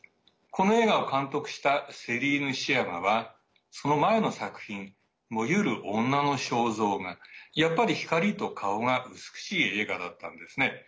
この映画を監督したセリーヌ・シアマはその前の作品「燃ゆる女の肖像」がやっぱり光と顔が美しい映画だったんですね。